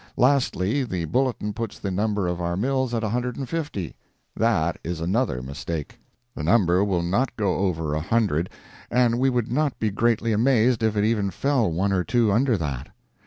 Lastly, the Bulletin puts the number of our mills at 150. That is another mistake; the number will not go over a hundred, and we would not be greatly amazed if it even fell one or two under that.